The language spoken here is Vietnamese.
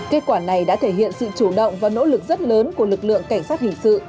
kết quả này đã thể hiện sự chủ động và nỗ lực rất lớn của lực lượng cảnh sát hình sự